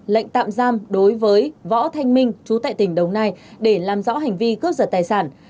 lệnh tạm giam đối với võ thanh minh chú tại tỉnh đồng nai để làm rõ hành vi cướp giật tài sản